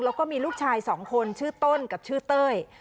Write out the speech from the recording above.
แล้วก็มีลูกชายสองคนชื่อต้นกับชื่อเต้ย